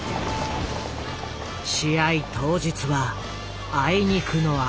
試合当日はあいにくの雨。